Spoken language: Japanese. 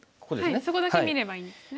そこだけ見ればいいんですね。